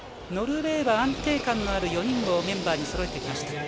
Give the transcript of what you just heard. ノルウェーは安定感のある４人をメンバーにそろえてきました。